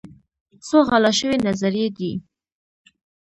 څو غلا شوي نظريې دي